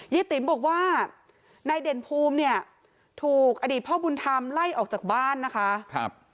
ติ๋มบอกว่านายเด่นภูมิเนี่ยถูกอดีตพ่อบุญธรรมไล่ออกจากบ้านนะคะ